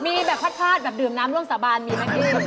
มีแบบพลาดแบบดื่มน้ำร่วมสาบานมีมั้ยครับ